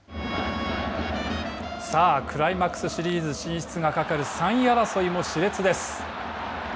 さあ、クライマックスシリーズ進出がかかる３位争いもしれつです。